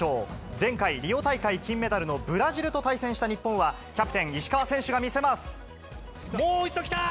前回、リオ大会金メダルのブラジルと対戦した日本は、キャプテン、石川選手が見せます。